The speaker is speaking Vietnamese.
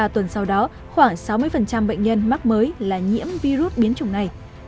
ba tuần sau đó khoảng sáu mươi bệnh nhân mắc mới là nhiễm virus biến chủng này